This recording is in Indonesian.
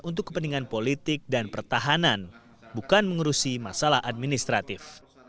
untuk kepentingan politik dan pertahanan bukan mengurusi masalah administratif